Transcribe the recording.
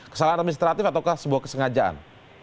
kesalahan administratif ataukah sebuah kesengajaan